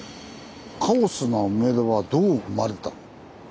「カオスな梅田はどう生まれた？」。